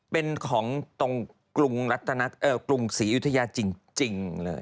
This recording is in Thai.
เป็นของตรงศรีอยุธยาจริงเลย